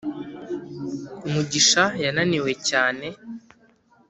mugisha yananiwe cyane